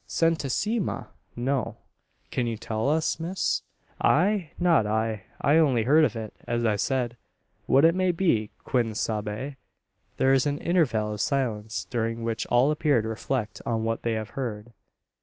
"Santissima! no." "Can you tell us, miss?" "I? Not I. I only heard of it, as I've said. What it may be, quien sabe?" There is an interval of silence, during which all appear to reflect on what they have heard.